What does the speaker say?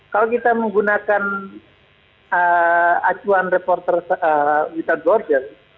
kalau kita menggunakan acuan reporter witton borges